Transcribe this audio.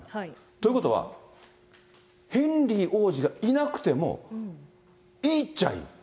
ということは、ヘンリー王子がいなくても、いいっちゃいい。